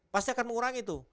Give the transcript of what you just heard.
pasti akan mengurangi tuh